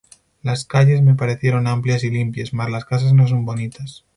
Las calles me parecieron amplias y limpias, mas las casas no son bonitas.